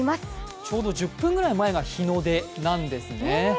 ちょうど１０分ぐらい前が日の出なんですね。